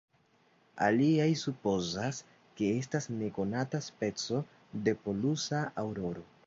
Aliaj supozas, ke estas nekonata speco de polusa aŭroro.